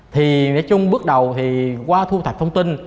thì nói chung bước đầu thì qua thu thập thông tin